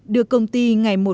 được công ty ngày mai